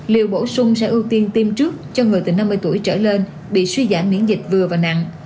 liệu bổ sung sẽ ưu tiên tiêm trước cho người từ năm mươi tuổi trở lên bị suy giảm miễn dịch vừa và nặng